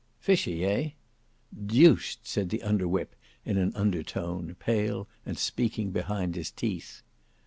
"Fishy eh?" "Deuced!" said the under whip in an under tone, pale and speaking behind his teeth.